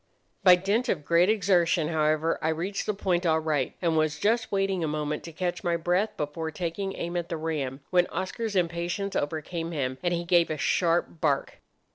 "By dint of great exertion, however, I reached the point all right, and was just waiting a moment to catch my breath before taking aim at the ram, when Oscar's impatience overcame him, and he gave a sharp bark.